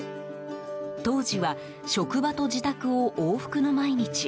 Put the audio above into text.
当時は職場と自宅を往復の毎日。